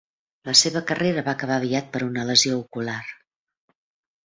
La seva carrera va acabar aviat per una lesió ocular.